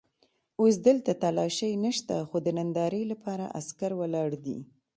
اوس دلته تالاشۍ نشته خو د نندارې لپاره عسکر ولاړ دي.